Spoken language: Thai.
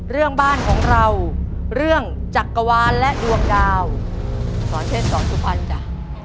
เรื่องบ้านของเราเรื่องจักรวาลและดวงดาวสอนเชษสอนสุพรรณจ้ะ